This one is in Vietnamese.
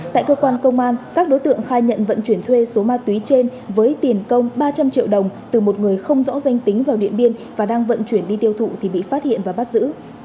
tại cơ quan công an các đối tượng khai nhận vận chuyển thuê số ma túy trên với tiền công ba trăm linh triệu đồng từ một người không rõ danh tính vào điện biên và đang vận chuyển đi tiêu thụ thì bị phát hiện và bắt giữ